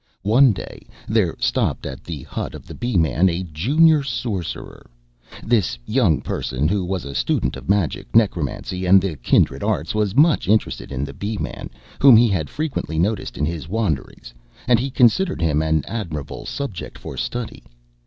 One day, there stopped at the hut of the Bee man a Junior Sorcerer. This young person, who was a student of magic, necromancy, and the kindred arts, was much interested in the Bee man, whom he had frequently noticed in his wanderings, and he considered him an admirable subject for study.